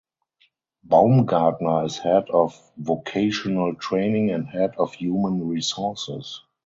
Baumgartner is head of vocational training and head of human resources.